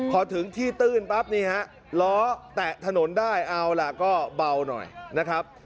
พอถึงที่ตื้นปั๊บนี่ฮะล้อแตะถนนได้เอาล่ะก็เบาหน่อยนะครับ